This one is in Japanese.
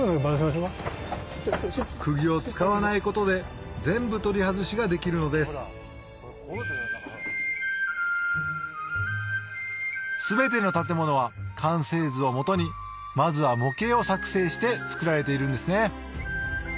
釘を使わないことで全部取り外しができるのです全ての建物は完成図を基にまずは模型を作成して造られているんですね